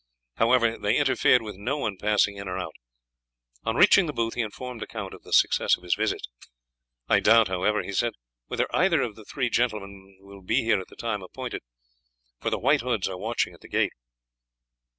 However, they interfered with no one passing in or out. On reaching the booth he informed the count of the success of his visits. "I doubt, however," he said, "whether either of the three gentlemen will be here at the time appointed, for the White Hoods are watching at the gate."